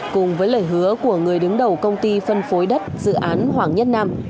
cùng với lời hứa của người đứng đầu công ty phân phối đất dự án hoàng nhất nam